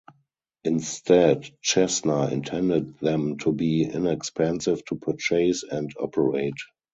Instead, Cessna intended them to be inexpensive to purchase and operate.